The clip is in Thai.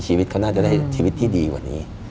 ชีวิตเขาน่าจะได้ชีวิตที่ดีกว่านี้